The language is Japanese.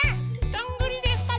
どんぐりです。